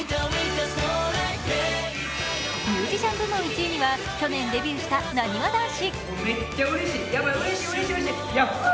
ミュージシャン部門１位には、去年デビューした、なにわ男子。